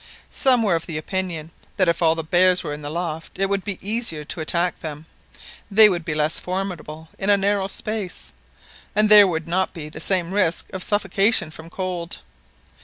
Some were of opinion that if all the bears were in the loft, it would be easier to attack them. They would be less formidable in a narrow space, and there would not be the same risk of suffocation from cold.